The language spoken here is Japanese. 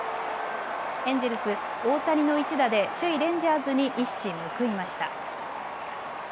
エンジェルス、大谷の１打で首位レンジャーズに一矢報いました。